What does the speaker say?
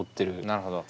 なるほど。